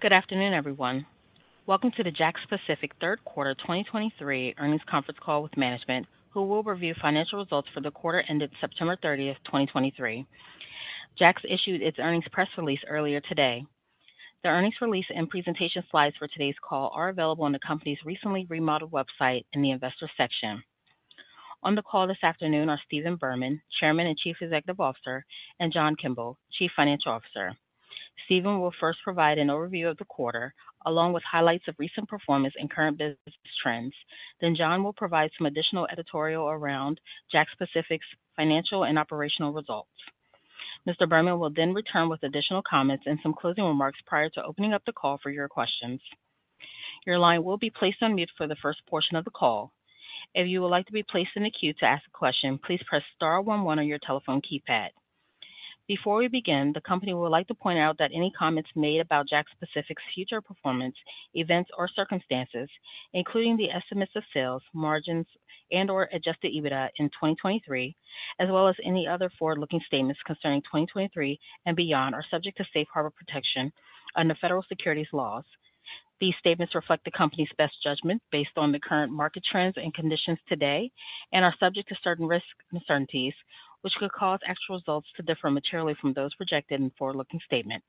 Good afternoon, everyone. Welcome to the JAKKS Pacific third quarter 2023 earnings conference call with management, who will review financial results for the quarter ended September 30, 2023. JAKKS issued its earnings press release earlier today. The earnings release and presentation slides for today's call are available on the company's recently remodeled website in the Investors section. On the call this afternoon are Stephen Berman, Chairman and Chief Executive Officer, and John Kimball, Chief Financial Officer. Steven will first provide an overview of the quarter, along with highlights of recent performance and current business trends. Then John will provide some additional editorial around JAKKS Pacific's financial and operational results. Mr. Berman will then return with additional comments and some closing remarks prior to opening up the call for your questions. Your line will be placed on mute for the first portion of the call. If you would like to be placed in the queue to ask a question, please press star one one on your telephone keypad. Before we begin, the company would like to point out that any comments made about JAKKS Pacific's future performance, events, or circumstances, including the estimates of sales, margins, and/or adjusted EBITDA in 2023, as well as any other forward-looking statements concerning 2023 and beyond, are subject to Safe Harbor protection under federal securities laws. These statements reflect the company's best judgment based on the current market trends and conditions today and are subject to certain risks and uncertainties, which could cause actual results to differ materially from those projected in forward-looking statements.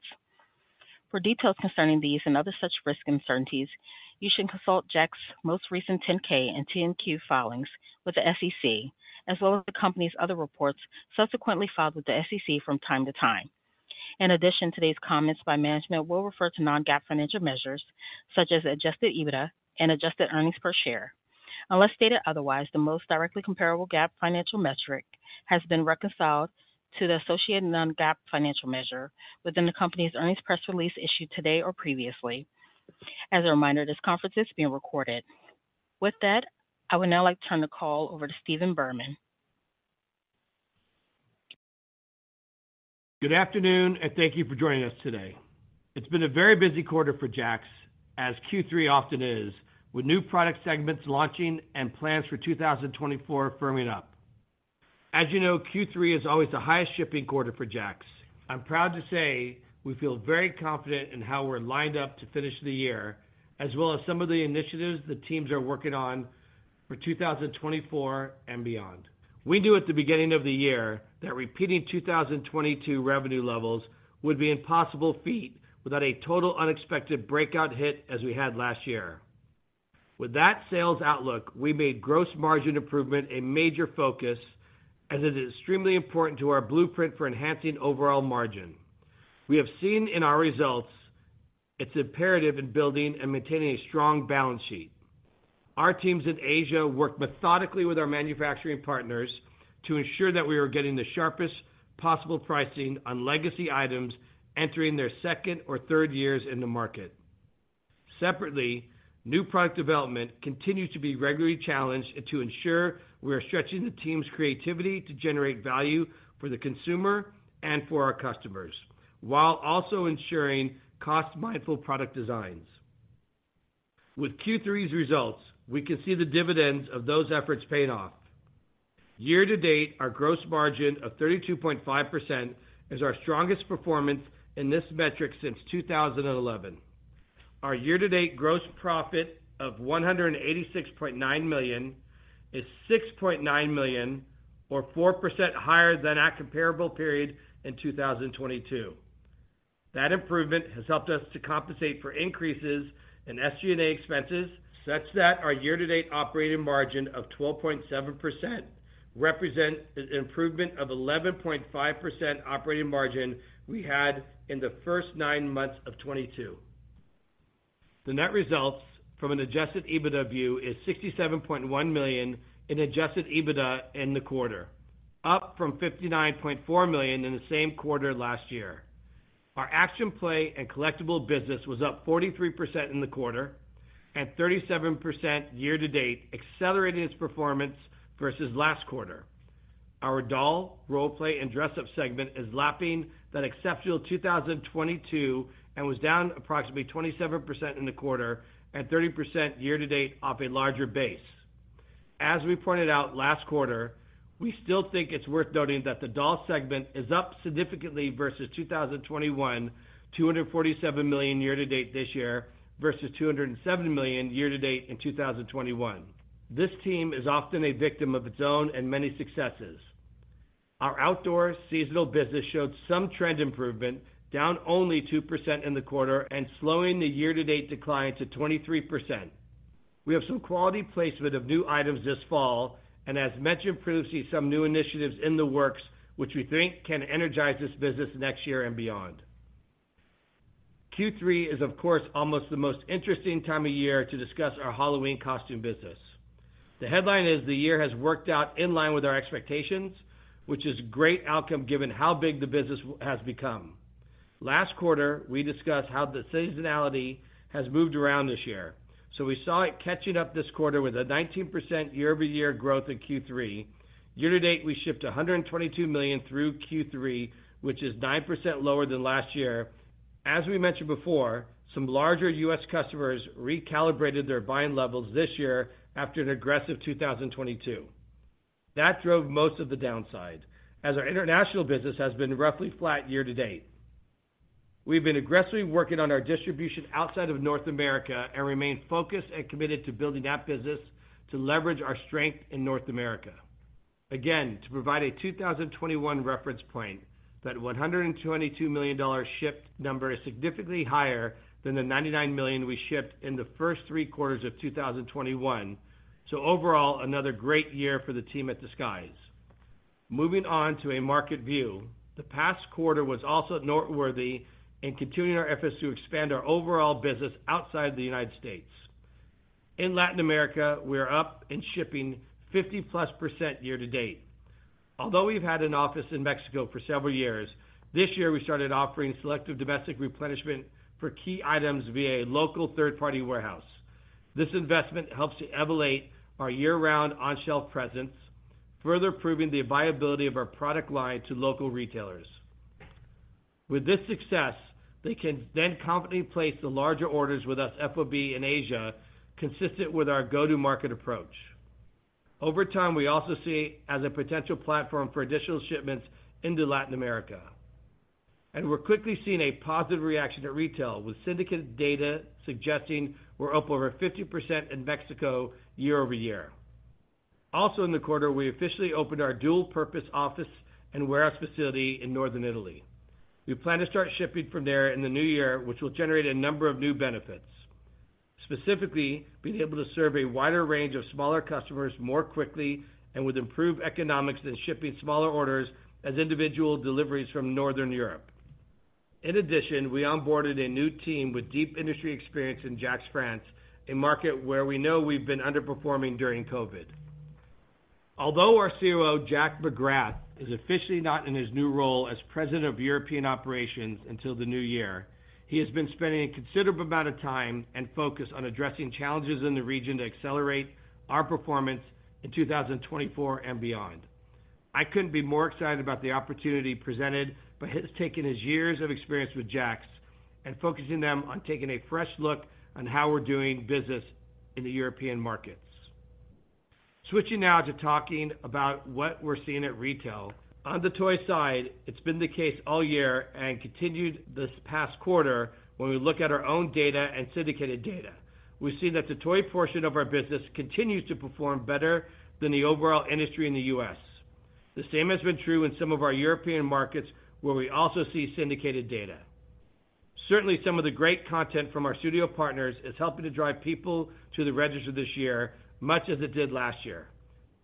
For details concerning these and other such risk uncertainties, you should consult JAKKS' most recent 10-K and 10-Q filings with the SEC, as well as the company's other reports subsequently filed with the SEC from time to time. In addition, today's comments by management will refer to non-GAAP financial measures such as Adjusted EBITDA and Adjusted Earnings Per Share. Unless stated otherwise, the most directly comparable GAAP financial metric has been reconciled to the associated non-GAAP financial measure within the company's earnings press release issued today or previously. As a reminder, this conference is being recorded. With that, I would now like to turn the call over to Stephen Berman. Good afternoon, and thank you for joining us today. It's been a very busy quarter for JAKKS, as Q3 often is, with new product segments launching and plans for 2024 firming up. As you know, Q3 is always the highest shipping quarter for JAKKS. I'm proud to say we feel very confident in how we're lined up to finish the year, as well as some of the initiatives the teams are working on for 2024 and beyond. We knew at the beginning of the year that repeating 2022 revenue levels would be impossible feat without a total unexpected breakout hit as we had last year. With that sales outlook, we made gross margin improvement a major focus, as it is extremely important to our blueprint for enhancing overall margin. We have seen in our results it's imperative in building and maintaining a strong balance sheet. Our teams in Asia work methodically with our manufacturing partners to ensure that we are getting the sharpest possible pricing on legacy items entering their second or third years in the market. Separately, new product development continues to be regularly challenged to ensure we are stretching the team's creativity to generate value for the consumer and for our customers, while also ensuring cost-mindful product designs. With Q3's results, we can see the dividends of those efforts paid off. Year to date, our gross margin of 32.5% is our strongest performance in this metric since 2011. Our year-to-date gross profit of $186.9 million is $6.9 million, or 4% higher than our comparable period in 2022. That improvement has helped us to compensate for increases in SG&A expenses, such that our year-to-date operating margin of 12.7% represents an improvement of 11.5% operating margin we had in the first nine months of 2022. The net results from an adjusted EBITDA view is $67.1 million in adjusted EBITDA in the quarter, up from $59.4 million in the same quarter last year. Our action play and collectible business was up 43% in the quarter and 37% year to date, accelerating its performance versus last quarter. Our doll, role play, and dress-up segment is lapping that exceptional 2022 and was down approximately 27% in the quarter and 30% year to date off a larger base. As we pointed out last quarter, we still think it's worth noting that the doll segment is up significantly versus 2021, $247 million year to date this year, versus $270 million year to date in 2021. This team is often a victim of its own and many successes. Our outdoor seasonal business showed some trend improvement, down only 2% in the quarter and slowing the year-to-date decline to 23%. We have some quality placement of new items this fall, and as mentioned previously, some new initiatives in the works which we think can energize this business next year and beyond. Q3 is, of course, almost the most interesting time of year to discuss our Halloween costume business. The headline is: The year has worked out in line with our expectations, which is a great outcome given how big the business has become. Last quarter, we discussed how the seasonality has moved around this year, so we saw it catching up this quarter with a 19% year-over-year growth in Q3. Year to date, we shipped $122 million through Q3, which is 9% lower than last year. As we mentioned before, some larger U.S. customers recalibrated their buying levels this year after an aggressive 2022. That drove most of the downside, as our international business has been roughly flat year-to-date. We've been aggressively working on our distribution outside of North America, and remain focused and committed to building that business to leverage our strength in North America. Again, to provide a 2021 reference point, that $122 million shipped number is significantly higher than the $99 million we shipped in the first three quarters of 2021. So overall, another great year for the team at Disguise. Moving on to a market view. The past quarter was also noteworthy in continuing our efforts to expand our overall business outside the United States. In Latin America, we are up in shipping 50%+ year to date. Although we've had an office in Mexico for several years, this year we started offering selective domestic replenishment for key items via a local third-party warehouse. This investment helps to evaluate our year-round on-shelf presence, further proving the viability of our product line to local retailers. With this success, they can then confidently place the larger orders with us FOB in Asia, consistent with our go-to-market approach. Over time, we also see as a potential platform for additional shipments into Latin America, and we're quickly seeing a positive reaction at retail, with syndicated data suggesting we're up over 50% in Mexico year-over-year. Also, in the quarter, we officially opened our dual-purpose office and warehouse facility in Northern Italy. We plan to start shipping from there in the new year, which will generate a number of new benefits, specifically, being able to serve a wider range of smaller customers more quickly and with improved economics than shipping smaller orders as individual deliveries from Northern Europe. In addition, we onboarded a new team with deep industry experience in JAKKS France, a market where we know we've been underperforming during COVID. Although our COO, Jack McGrath, is officially not in his new role as President of European Operations until the new year, he has been spending a considerable amount of time and focus on addressing challenges in the region to accelerate our performance in 2024 and beyond. I couldn't be more excited about the opportunity presented, but he's taking his years of experience with JAKKS and focusing them on taking a fresh look on how we're doing business in the European markets. Switching now to talking about what we're seeing at retail. On the toy side, it's been the case all year and continued this past quarter when we look at our own data and syndicated data. We've seen that the toy portion of our business continues to perform better than the overall industry in the U.S. The same has been true in some of our European markets, where we also see syndicated data. Certainly, some of the great content from our studio partners is helping to drive people to the register this year, much as it did last year.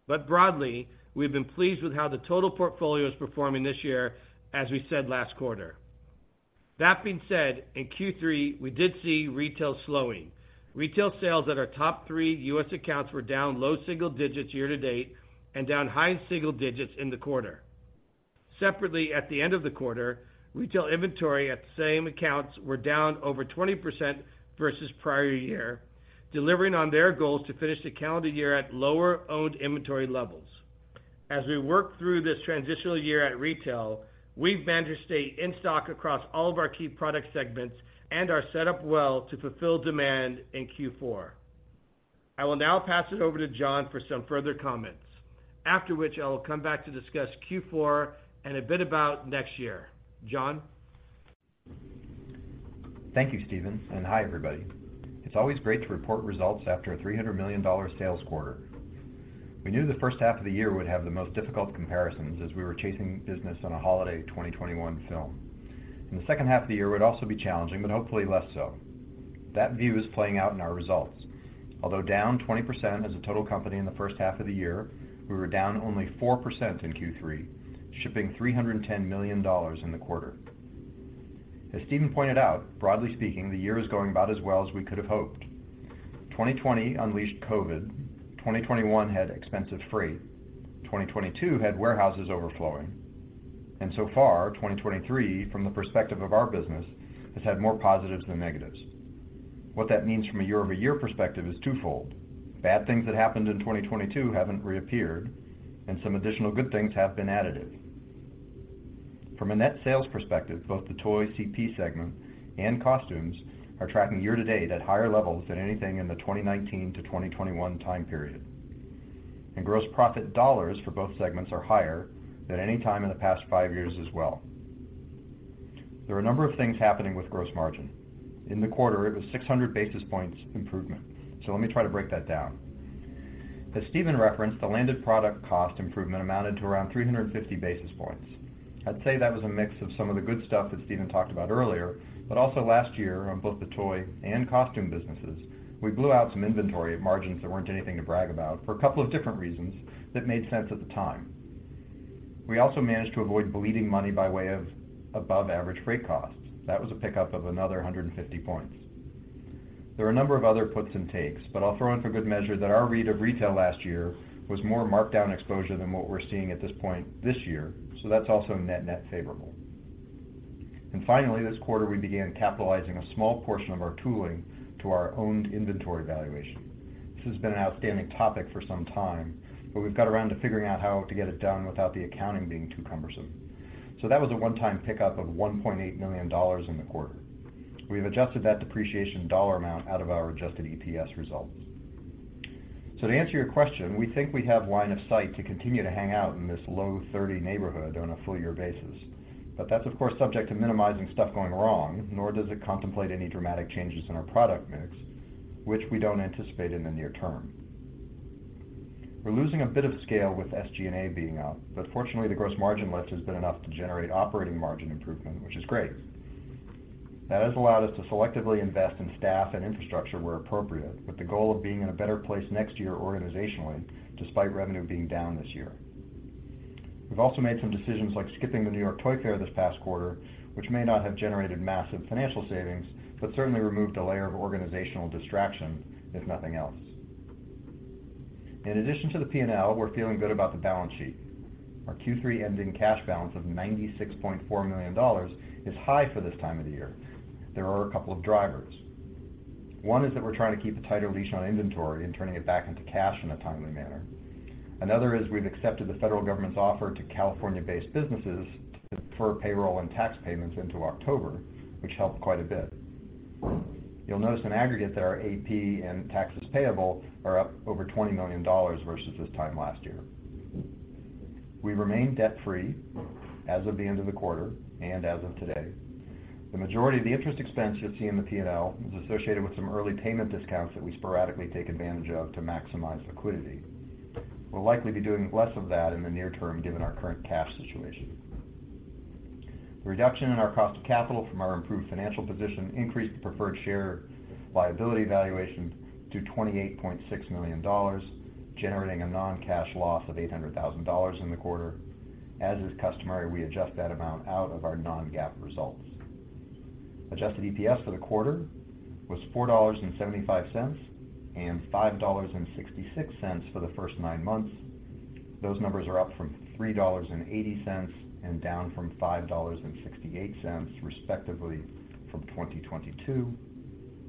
But broadly, we've been pleased with how the total portfolio is performing this year, as we said last quarter. That being said, in Q3, we did see retail slowing. Retail sales at our top three U.S. accounts were down low single digits year-to-date and down high single digits in the quarter. Separately, at the end of the quarter, retail inventory at the same accounts were down over 20% versus prior year, delivering on their goals to finish the calendar year at lower owned inventory levels. As we work through this transitional year at retail, we've managed to stay in stock across all of our key product segments and are set up well to fulfill demand in Q4. I will now pass it over to John for some further comments, after which I will come back to discuss Q4 and a bit about next year. John? Thank you, Steven, and hi, everybody. It's always great to report results after a $300 million sales quarter. We knew the first half of the year would have the most difficult comparisons as we were chasing business on a holiday 2021 film, and the second half of the year would also be challenging, but hopefully less so. That view is playing out in our results. Although down 20% as a total company in the first half of the year, we were down only 4% in Q3, shipping $310 million in the quarter. As Steven pointed out, broadly speaking, the year is going about as well as we could have hoped. 2020 unleashed COVID, 2021 had expensive freight, 2022 had warehouses overflowing, and so far, 2023, from the perspective of our business, has had more positives than negatives. What that means from a year-over-year perspective is twofold: Bad things that happened in 2022 haven't reappeared, and some additional good things have been additive. From a net sales perspective, both the toy CP segment and costumes are tracking year to date at higher levels than anything in the 2019-2021 time period. And gross profit dollars for both segments are higher than any time in the past five years as well. There are a number of things happening with gross margin. In the quarter, it was 600 basis points improvement, so let me try to break that down. As Steven referenced, the landed product cost improvement amounted to around 350 basis points. I'd say that was a mix of some of the good stuff that Steven talked about earlier, but also last year, on both the toy and costume businesses, we blew out some inventory of margins that weren't anything to brag about for a couple of different reasons that made sense at the time. We also managed to avoid bleeding money by way of above-average freight costs. That was a pickup of another 150 points. There are a number of other puts and takes, but I'll throw in for good measure that our read of retail last year was more markdown exposure than what we're seeing at this point this year, so that's also net, net favorable. And finally, this quarter, we began capitalizing a small portion of our tooling to our owned inventory valuation. This has been an outstanding topic for some time, but we've got around to figuring out how to get it done without the accounting being too cumbersome. So that was a one-time pickup of $1.8 million in the quarter. We have adjusted that depreciation dollar amount out of our adjusted EPS results. So to answer your question, we think we have line of sight to continue to hang out in this low 30 neighborhood on a full year basis. But that's, of course, subject to minimizing stuff going wrong, nor does it contemplate any dramatic changes in our product mix, which we don't anticipate in the near term. We're losing a bit of scale with SG&A being up, but fortunately, the gross margin lift has been enough to generate operating margin improvement, which is great. That has allowed us to selectively invest in staff and infrastructure where appropriate, with the goal of being in a better place next year organizationally, despite revenue being down this year. We've also made some decisions, like skipping the New York Toy Fair this past quarter, which may not have generated massive financial savings, but certainly removed a layer of organizational distraction, if nothing else. In addition to the P&L, we're feeling good about the balance sheet. Our Q3 ending cash balance of $96.4 million is high for this time of the year. There are a couple of drivers. One is that we're trying to keep a tighter leash on inventory and turning it back into cash in a timely manner. Another is we've accepted the federal government's offer to California-based businesses to defer payroll and tax payments into October, which helped quite a bit. You'll notice in aggregate that our AP and taxes payable are up over $20 million versus this time last year. We remain debt-free as of the end of the quarter and as of today. The majority of the interest expense you see in the P&L is associated with some early payment discounts that we sporadically take advantage of to maximize liquidity. We'll likely be doing less of that in the near term, given our current cash situation. The reduction in our cost of capital from our improved financial position increased the preferred share liability valuation to $28.6 million, generating a non-cash loss of $800,000 in the quarter. As is customary, we adjust that amount out of our non-GAAP results. Adjusted EPS for the quarter was $4.75, and $5.66 for the first nine months. Those numbers are up from $3.80, and down from $5.68, respectively, from 2022.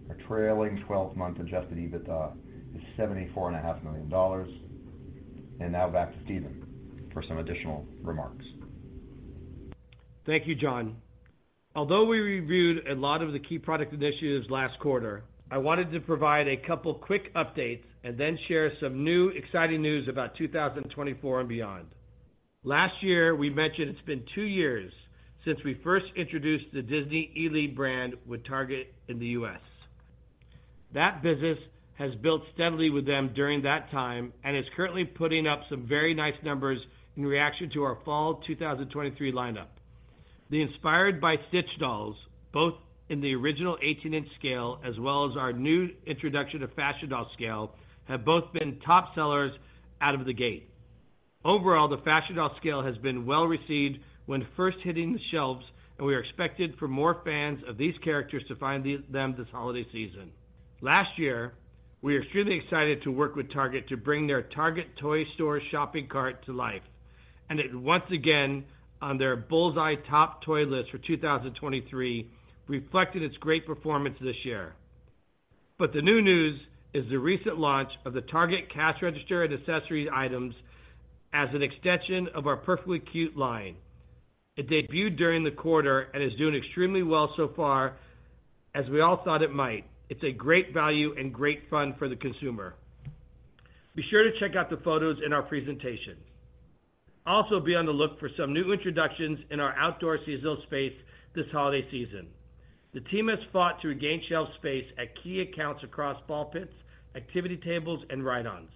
Our trailing 12-month adjusted EBITDA is $74.5 million. Now back to Steven for some additional remarks. Thank you, John. Although we reviewed a lot of the key product initiatives last quarter, I wanted to provide a couple quick updates and then share some new exciting news about 2024 and beyond. Last year, we mentioned it's been two years since we first introduced the Disney ily brand with Target in the U.S. That business has built steadily with them during that time, and is currently putting up some very nice numbers in reaction to our fall 2023 lineup. The Inspired by Stitch dolls, both in the original 18-inch scale, as well as our new introduction to fashion doll scale, have both been top sellers out of the gate. Overall, the fashion doll scale has been well-received when first hitting the shelves, and we are expected for more fans of these characters to find them this holiday season. Last year, we were extremely excited to work with Target to bring their Target toy store shopping cart to life, and it once again on their Bullseye Top Toy list for 2023, reflecting its great performance this year. But the new news is the recent launch of the Target cash register and accessory items as an extension of our Perfectly Cute line. It debuted during the quarter and is doing extremely well so far, as we all thought it might. It's a great value and great fun for the consumer. Be sure to check out the photos in our presentation. Also, be on the look for some new introductions in our outdoor seasonal space this holiday season. The team has fought to regain shelf space at key accounts across ball pits, activity tables, and ride-ons.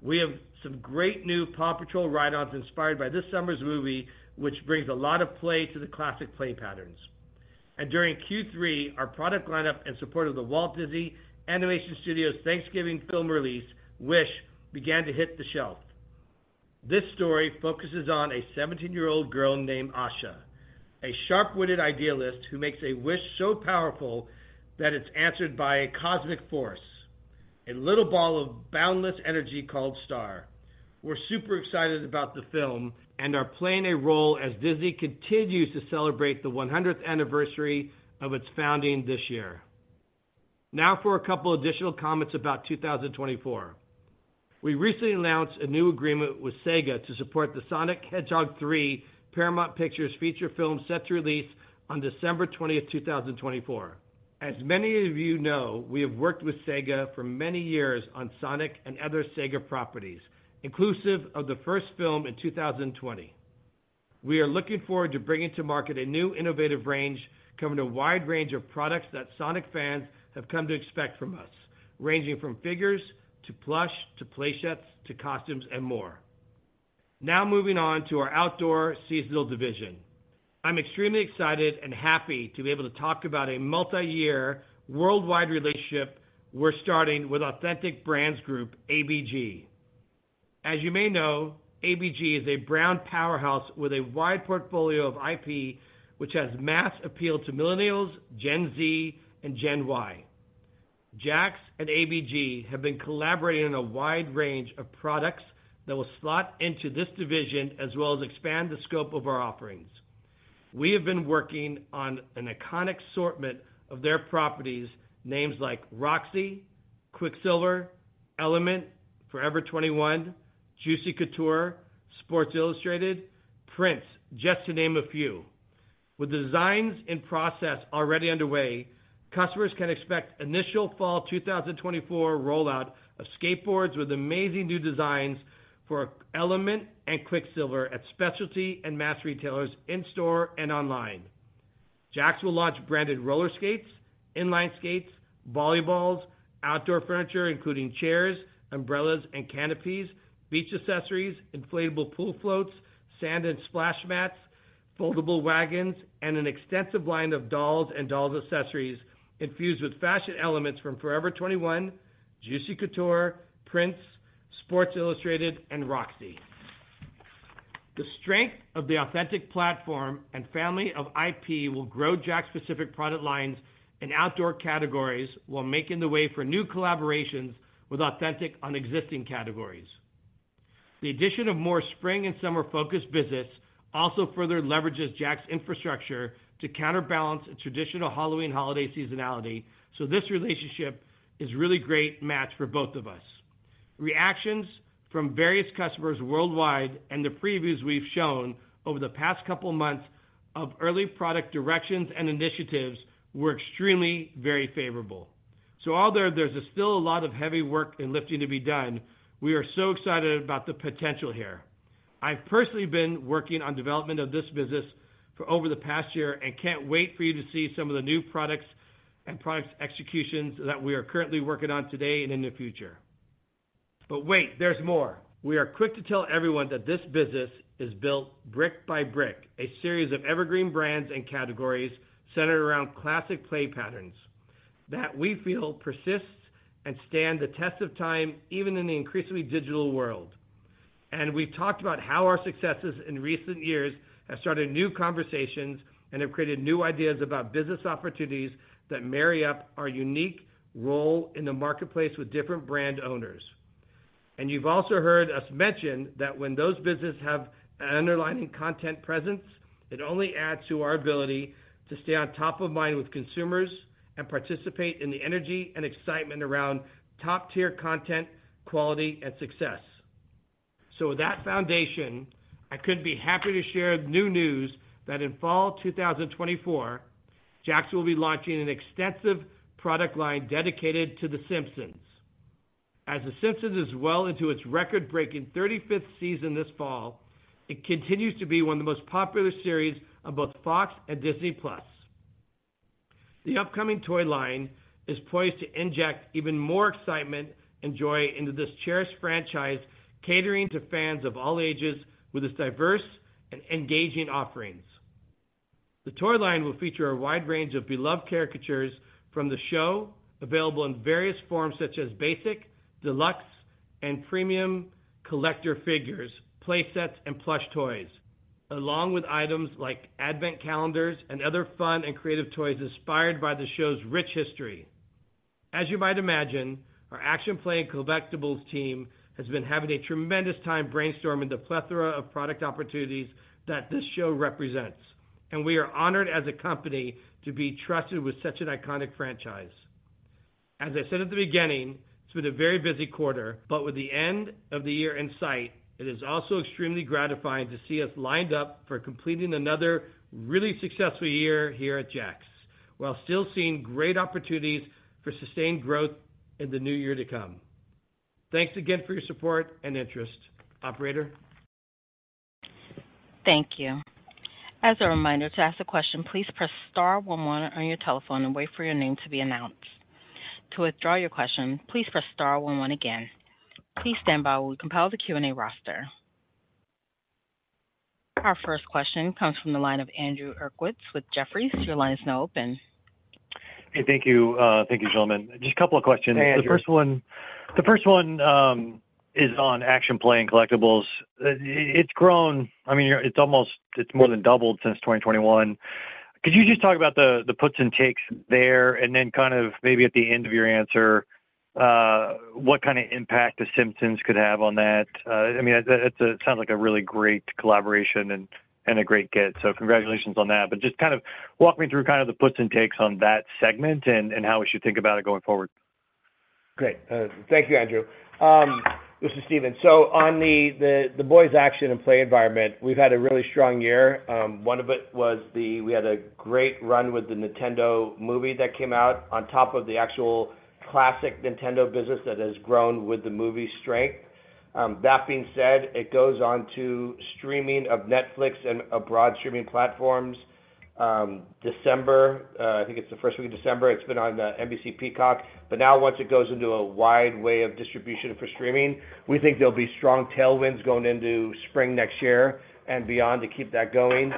We have some great new Paw Patrol ride-ons inspired by this summer's movie, which brings a lot of play to the classic play patterns. During Q3, our product lineup in support of the Walt Disney Animation Studios Thanksgiving film release, Wish, began to hit the shelf. This story focuses on a 17-year-old girl named Asha, a sharp-witted idealist who makes a wish so powerful that it's answered by a cosmic force, a little ball of boundless energy called Star. We're super excited about the film and are playing a role as Disney continues to celebrate the 100th anniversary of its founding this year. Now for a couple additional comments about 2024. We recently announced a new agreement with Sega to support the Sonic the Hedgehog 3, Paramount Pictures feature film, set to release on December 20, 2024. As many of you know, we have worked with Sega for many years on Sonic and other Sega properties, inclusive of the first film in 2020. We are looking forward to bringing to market a new innovative range, covering a wide range of products that Sonic fans have come to expect from us, ranging from figures, to plush, to play sets, to costumes, and more. Now, moving on to our outdoor seasonal division. I'm extremely excited and happy to be able to talk about a multi-year worldwide relationship we're starting with Authentic Brands Group, ABG. As you may know, ABG is a brand powerhouse with a wide portfolio of IP, which has mass appeal to millennials, Gen Z, and Gen Y. JAKKS and ABG have been collaborating on a wide range of products that will slot into this division, as well as expand the scope of our offerings. We have been working on an iconic assortment of their properties, names like Roxy, Quiksilver, Element, Forever 21, Juicy Couture, Sports Illustrated, Prince, just to name a few. With designs and process already underway, customers can expect initial fall 2024 rollout of skateboards with amazing new designs for Element and Quiksilver at specialty and mass retailers in-store and online. JAKKS will launch branded roller skates, inline skates, volleyballs, outdoor furniture, including chairs, umbrellas, and canopies, beach accessories, inflatable pool floats, sand and splash mats, foldable wagons, and an extensive line of dolls and doll accessories infused with fashion elements from Forever 21, Juicy Couture, Prince, Sports Illustrated, and Roxy. The strength of the Authentic platform and family of IP will grow JAKKS Pacific product lines and outdoor categories while making the way for new collaborations with Authentic on existing categories. The addition of more spring and summer-focused visits also further leverages JAKKS' infrastructure to counterbalance a traditional Halloween holiday seasonality, so this relationship is really great match for both of us. Reactions from various customers worldwide and the previews we've shown over the past couple of months of early product directions and initiatives were extremely, very favorable. So although there's still a lot of heavy work and lifting to be done, we are so excited about the potential here. I've personally been working on development of this business for over the past year and can't wait for you to see some of the new products and product executions that we are currently working on today and in the future. But wait, there's more. We are quick to tell everyone that this business is built brick by brick, a series of evergreen brands and categories centered around classic play patterns that we feel persist and stand the test of time, even in the increasingly digital world. We've talked about how our successes in recent years have started new conversations and have created new ideas about business opportunities that marry up our unique role in the marketplace with different brand owners. You've also heard us mention that when those businesses have an underlying content presence, it only adds to our ability to stay on top of mind with consumers and participate in the energy and excitement around top-tier content, quality, and success. So with that foundation, I couldn't be happy to share new news that in fall 2024, JAKKS will be launching an extensive product line dedicated to The Simpsons. As The Simpsons is well into its record-breaking 35th season this fall, it continues to be one of the most popular series on both Fox and Disney+. The upcoming toy line is poised to inject even more excitement and joy into this cherished franchise, catering to fans of all ages with its diverse and engaging offerings. The toy line will feature a wide range of beloved characters from the show, available in various forms such as basic, deluxe, and premium collector figures, play sets, and plush toys, along with items like advent calendars and other fun and creative toys inspired by the show's rich history. As you might imagine, our action play and collectibles team has been having a tremendous time brainstorming the plethora of product opportunities that this show represents, and we are honored as a company to be trusted with such an iconic franchise. As I said at the beginning, it's been a very busy quarter, but with the end of the year in sight, it is also extremely gratifying to see us lined up for completing another really successful year here at JAKKS, while still seeing great opportunities for sustained growth in the new year to come. Thanks again for your support and interest. Operator? Thank you. As a reminder, to ask a question, please press star one one on your telephone and wait for your name to be announced. To withdraw your question, please press star one one again. Please stand by while we compile the Q&A roster. Our first question comes from the line of Andrew Uerkwitz with Jefferies. Your line is now open. Hey, thank you. Thank you, gentlemen. Just a couple of questions. Hey, Andrew. The first one is on action play and collectibles. It's grown. I mean, it's more than doubled since 2021. Could you just talk about the puts and takes there, and then kind of maybe at the end of your answer, what kind of impact The Simpsons could have on that? I mean, it sounds like a really great collaboration and a great get, so congratulations on that. But just kind of walk me through kind of the puts and takes on that segment and how we should think about it going forward. Great. Thank you, Andrew. This is Steven. So on the boys action and play environment, we've had a really strong year. One of it was the—we had a great run with the Nintendo movie that came out on top of the actual classic Nintendo business that has grown with the movie's strength. That being said, it goes on to streaming of Netflix and abroad streaming platforms. December, I think it's the first week of December, it's been on the NBC Peacock, but now once it goes into a wide way of distribution for streaming, we think there'll be strong tailwinds going into spring next year and beyond to keep that going.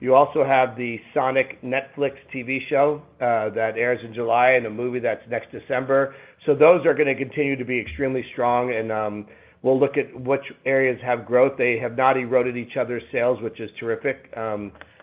You also have the Sonic Netflix TV show that airs in July and a movie that's next December. So those are gonna continue to be extremely strong and, we'll look at which areas have growth. They have not eroded each other's sales, which is terrific.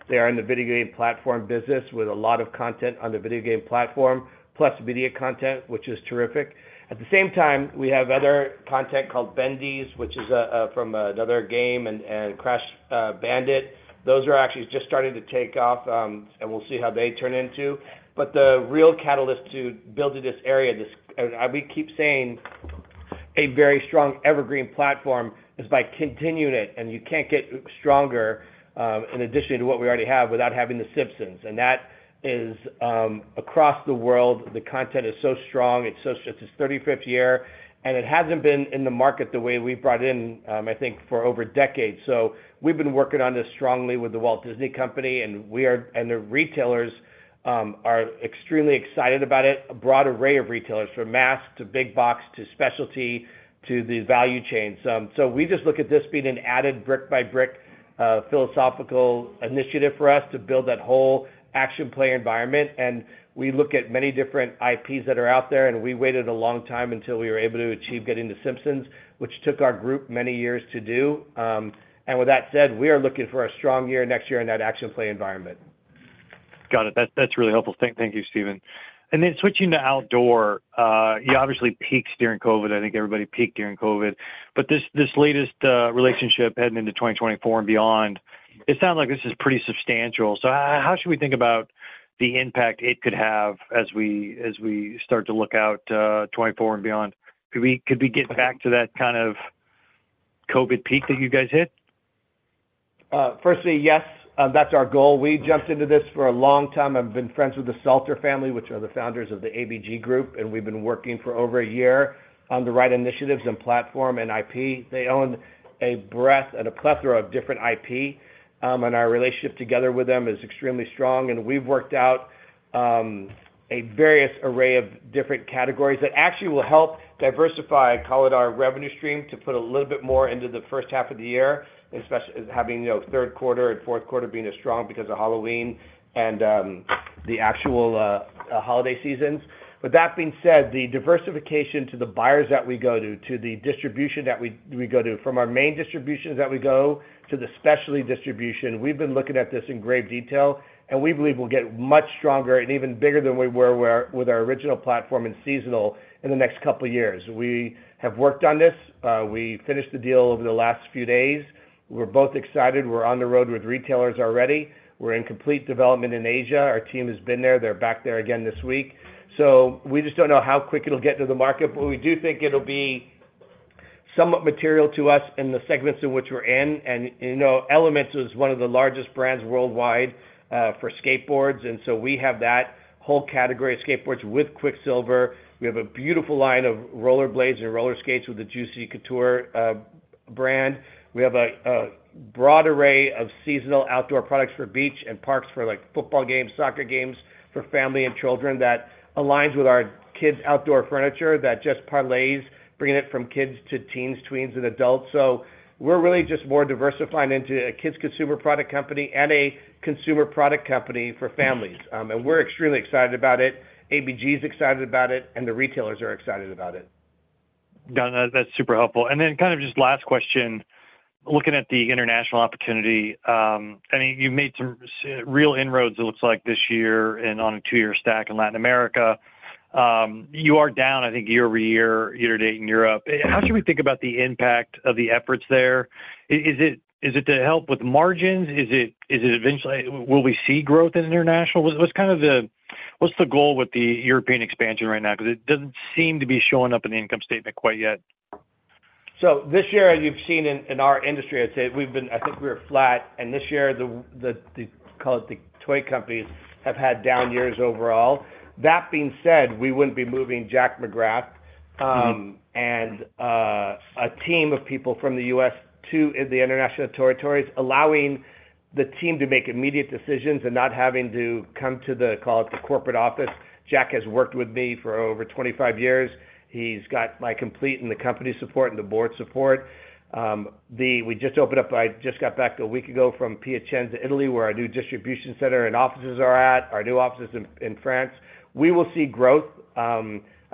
They are in the video game platform business with a lot of content on the video game platform, plus media content, which is terrific. At the same time, we have other content called Bendy, which is from another game, and Crash Bandicoot. Those are actually just starting to take off, and we'll see how they turn into. But the real catalyst to build in this area, a very strong evergreen platform is by continuing it, and you can't get stronger, in addition to what we already have, without having The Simpsons, and that is across the world, the content is so strong. It's its 35th year, and it hasn't been in the market the way we've brought in, I think, for over a decade. So we've been working on this strongly with the Walt Disney Company, and we are and the retailers are extremely excited about it. A broad array of retailers, from mass to big box to specialty to the value chain. So we just look at this being an added brick-by-brick philosophical initiative for us to build that whole action play environment, and we look at many different IPs that are out there, and we waited a long time until we were able to achieve getting The Simpsons, which took our group many years to do. And with that said, we are looking for a strong year next year in that action play environment. Got it. That's really helpful. Thank you, Steven. Then switching to outdoor, you obviously peaked during COVID. I think everybody peaked during COVID. But this latest relationship heading into 2024 and beyond, it sounds like this is pretty substantial. So how should we think about the impact it could have as we start to look out, 2024 and beyond? Could we get back to that kind of COVID peak that you guys hit? Firstly, yes, that's our goal. We jumped into this for a long time. I've been friends with the Salter family, which are the founders of the ABG Group, and we've been working for over a year on the right initiatives and platform and IP. They own a breadth and a plethora of different IP, and our relationship together with them is extremely strong, and we've worked out a various array of different categories that actually will help diversify, call it, our revenue stream, to put a little bit more into the first half of the year, especially having, you know, third quarter and fourth quarter being as strong because of Halloween and the actual holiday seasons. But that being said, the diversification to the buyers that we go to, to the distribution that we go to, from our main distributions that we go to the specialty distribution, we've been looking at this in great detail, and we believe we'll get much stronger and even bigger than we were with our original platform and seasonal in the next couple of years. We have worked on this. We finished the deal over the last few days. We're both excited. We're on the road with retailers already. We're in complete development in Asia. Our team has been there. They're back there again this week. So we just don't know how quick it'll get to the market, but we do think it'll be somewhat material to us in the segments in which we're in. You know, Element is one of the largest brands worldwide for skateboards, and so we have that whole category of skateboards with Quiksilver. We have a beautiful line of roller blades and roller skates with the Juicy Couture brand. We have a broad array of seasonal outdoor products for beach and parks for, like, football games, soccer games, for family and children that aligns with our kids' outdoor furniture that just parlays, bringing it from kids to teens, tweens, and adults. So we're really just more diversifying into a kids' consumer product company and a consumer product company for families. And we're extremely excited about it, ABG's excited about it, and the retailers are excited about it. Got it. That's super helpful. And then kind of just last question, looking at the international opportunity, I mean, you made some real inroads, it looks like this year and on a two-year stack in Latin America. You are down, I think, year-over-year, year-to-date in Europe. How should we think about the impact of the efforts there? Is it, is it to help with margins? Is it eventually... Will we see growth in international? What’s the goal with the European expansion right now? Because it doesn’t seem to be showing up in the income statement quite yet. So this year, you've seen in our industry, I'd say we've been. I think we're flat, and this year, call it, the toy companies have had down years overall. That being said, we wouldn't be moving Jack McGrath and a team of people from the U.S. to the international territories, allowing the team to make immediate decisions and not having to come to the, call it, the corporate office. Jack has worked with me for over 25 years. He's got my complete and the company's support and the board's support. We just opened up. I just got back a week ago from Piacenza, Italy, where our new distribution center and offices are at, our new offices in France. We will see growth, I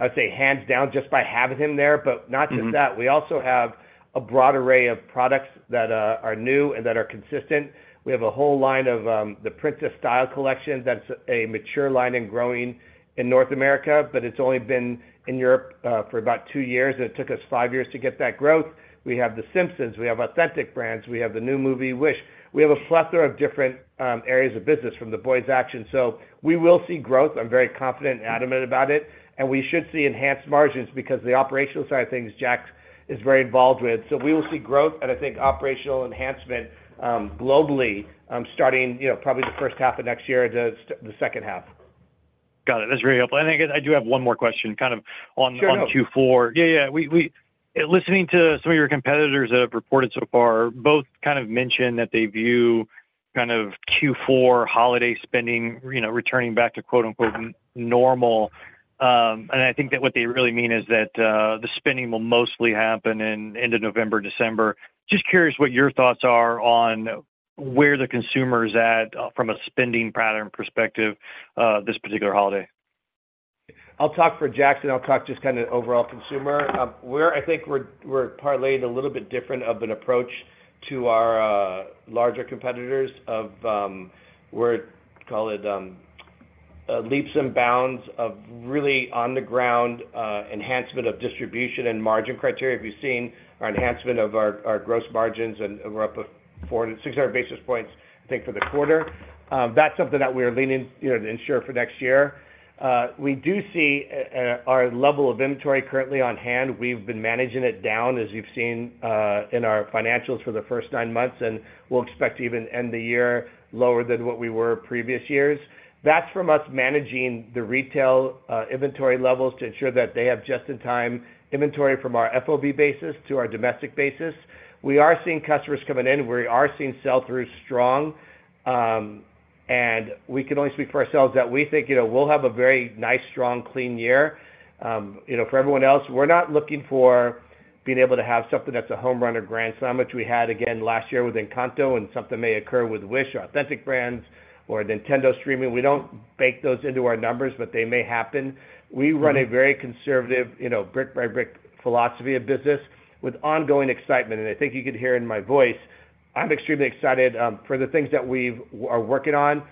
would say, hands down, just by having him there. But not just that, we also have a broad array of products that are new and that are consistent. We have a whole line of the Princess Style Collection. That's a mature line and growing in North America, but it's only been in Europe for about two years, and it took us five years to get that growth. We have The Simpsons, we have Authentic Brands, we have the new movie, Wish. We have a plethora of different areas of business from the boys' action, so we will see growth. I'm very confident and adamant about it, and we should see enhanced margins because the operational side of things, Jack is very involved with. So we will see growth and I think operational enhancement globally starting, you know, probably the first half of next year to the second half. Got it. That's very helpful. I think I do have one more question, kind of on- Sure. On Q4. Yeah, yeah. Listening to some of your competitors that have reported so far, both kind of mentioned that they view kind of Q4 holiday spending, you know, returning back to, quote, unquote, "normal." And I think that what they really mean is that the spending will mostly happen in end of November, December. Just curious what your thoughts are on where the consumer is at, from a spending pattern perspective, this particular holiday. I'll talk for Jack, then I'll talk just kind of overall consumer. We're-- I think we're parlaying a little bit different of an approach to our larger competitors of, we're, call it, leaps and bounds of really on the ground enhancement of distribution and margin criteria. If you've seen our enhancement of our gross margins, and we're up of 400-600 basis points, I think, for the quarter. That's something that we are leaning, you know, to ensure for next year. We do see our level of inventory currently on hand. We've been managing it down, as you've seen, in our financials for the first nine months, and we'll expect to even end the year lower than what we were previous years. That's from us managing the retail, inventory levels to ensure that they have just-in-time inventory from our FOB basis to our domestic basis. We are seeing customers coming in, we are seeing sell-through strong, and we can only speak for ourselves that we think, you know, we'll have a very nice, strong, clean year. You know, for everyone else, we're not looking for being able to have something that's a home run or grand slam, which we had again last year with Encanto, and something may occur with Wish, Authentic Brands or Nintendo streaming. We don't bake those into our numbers, but they may happen. We run a very conservative, you know, brick by brick philosophy of business with ongoing excitement. I think you could hear in my voice, I'm extremely excited for the things that we've-- are working on,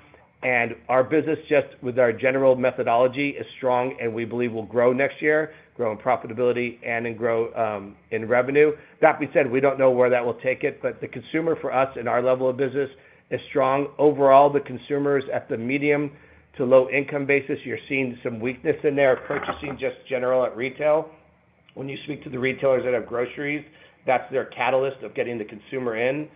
and our business, just with our general methodology, is strong, and we believe will grow next year, grow in profitability and in grow in revenue. That being said, we don't know where that will take it, but the consumer, for us and our level of business, is strong. Overall, the consumers at the medium to low income basis, you're seeing some weakness in there, are purchasing just general at retail. When you speak to the retailers that have groceries, that's their catalyst of getting the consumer in.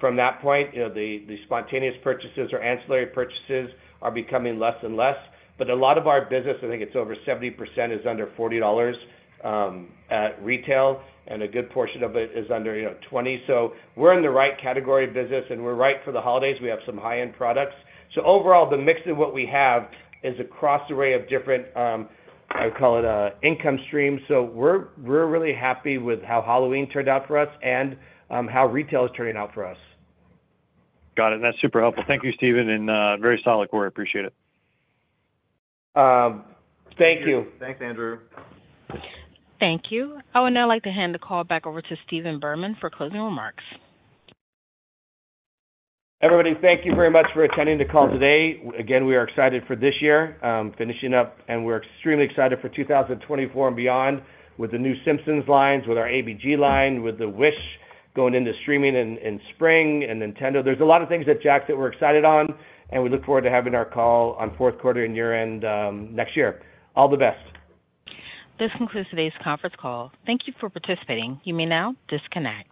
From that point, you know, the, the spontaneous purchases or ancillary purchases are becoming less and less. But a lot of our business, I think it's over 70%, is under $40 at retail, and a good portion of it is under, you know, $20. So we're in the right category of business, and we're right for the holidays. We have some high-end products. So overall, the mix of what we have is across array of different, I call it, income streams. So we're, we're really happy with how Halloween turned out for us and, how retail is turning out for us. Got it. That's super helpful. Thank you, Steven, and very solid quarter. I appreciate it. Thank you. Thanks, Andrew. Thank you. I would now like to hand the call back over to Stephen Berman for closing remarks. Everybody, thank you very much for attending the call today. Again, we are excited for this year finishing up, and we're extremely excited for 2024 and beyond with the new Simpsons lines, with our ABG line, with the Wish going into streaming in spring, and Nintendo. There's a lot of things at JAKKS that we're excited on, and we look forward to having our call on fourth quarter and year-end next year. All the best. This concludes today's conference call. Thank you for participating. You may now disconnect.